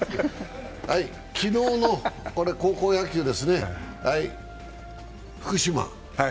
昨日の高校野球ですね。